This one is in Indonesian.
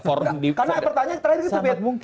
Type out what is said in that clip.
karena pertanyaan terakhir itu